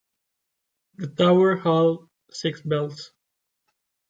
The tower holds six bells.